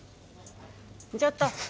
ちょっと！